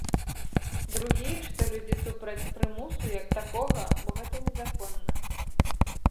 Другі, што людзі супраць прымусу як такога, бо гэта незаконна.